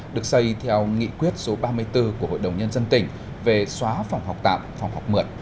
được xây theo nghị quyết số ba mươi bốn của hội đồng nhân dân tỉnh về xóa phòng học tạm phòng học mượn